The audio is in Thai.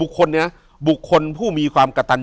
อยู่ที่แม่ศรีวิรัยิลครับ